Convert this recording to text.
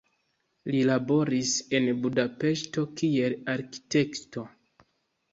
Li laboris en Budapeŝto kiel arkitekto.